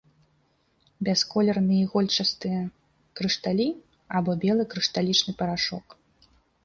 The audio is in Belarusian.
Бясколерныя ігольчастыя крышталі або белы крышталічны парашок.